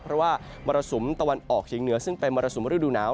เพราะว่ามรสุมตะวันออกเฉียงเหนือซึ่งเป็นมรสุมฤดูหนาว